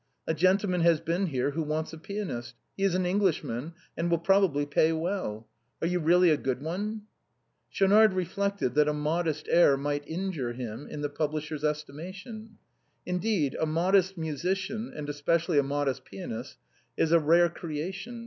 A gentleman has been here who wants a pianist; he is an Englishman, and will probably pay well. Are you really a good one ?" Schaunard reflected that a modest air might injure him in the publisher's estimation. Indeed, a modest musician, and especially a modest pianist, is a rare creature.